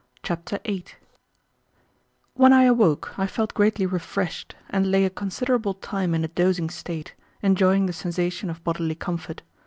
Chapter 8 When I awoke I felt greatly refreshed, and lay a considerable time in a dozing state, enjoying the sensation of bodily comfort.